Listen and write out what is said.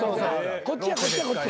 こっちやこっちやこっち。